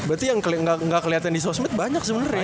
berarti yang gak keliatan di sosmed banyak sebenernya ya